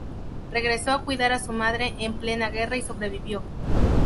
Regresó a cuidar a su madre en plena guerra y sobrevivió.